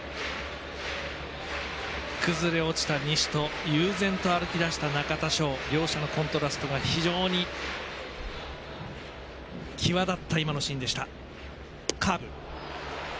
崩れ落ちた西投手と悠然と歩きだした中田翔。両者のコントラストが非常に際立った今のシーンでした。